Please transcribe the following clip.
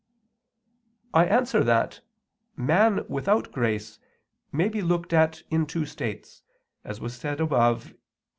I answer that, Man without grace may be looked at in two states, as was said above (Q.